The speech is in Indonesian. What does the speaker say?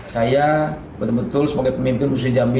saya betul betul sebagai pemimpin musuh jambi